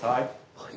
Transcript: はい。